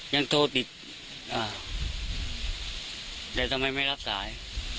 ยังโทรติดอ่าแต่ทำไมไม่รับสาย